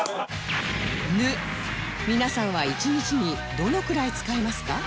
「ぬ」皆さんは１日にどのくらい使いますか？